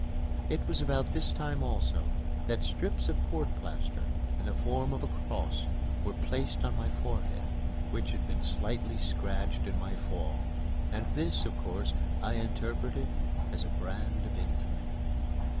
It was about this time also that strips of court plaster, in the form of a cross, were placed on my forehead, which had been slightly scratched in my fall, and this, of course, I interpreted as a brand of infamy.